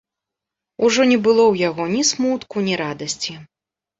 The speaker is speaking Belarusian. Ужо не было ў яго ні смутку, ні радасці.